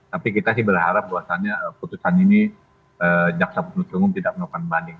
tapi kita sih berharap bahwasannya putusan ini jaksa penuntut umum tidak melakukan banding